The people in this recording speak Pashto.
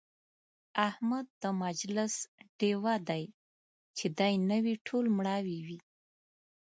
احمد د مجلس ډېوه دی، چې دی نه وي ټول مړاوي وي.